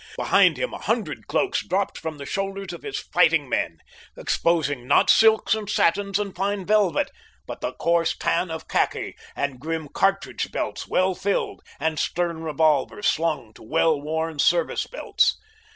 Behind him a hundred cloaks dropped from the shoulders of his fighting men, exposing not silks and satins and fine velvet, but the coarse tan of khaki, and grim cartridge belts well filled, and stern revolvers slung to well worn service belts.